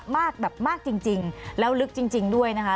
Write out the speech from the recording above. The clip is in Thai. มากแบบมากจริงแล้วลึกจริงด้วยนะคะ